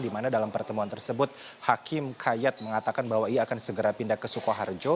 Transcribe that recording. di mana dalam pertemuan tersebut hakim kayat mengatakan bahwa ia akan segera pindah ke sukoharjo